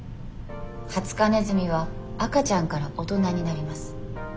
ハツカネズミは赤ちゃんから大人になります。